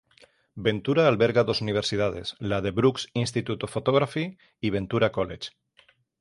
Ventura alberga dos universidades, la de Brooks Institute of Photography y Ventura College.